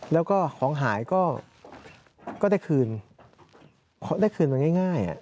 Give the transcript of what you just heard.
แล้วก็ของหายก็ได้คืนได้คืนมาง่าย